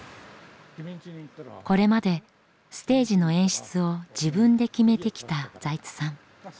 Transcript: これまでステージの演出を自分で決めてきた財津さん。